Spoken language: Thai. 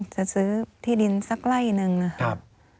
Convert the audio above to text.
จะซื้อที่ดินสักไล่นึงนะครับ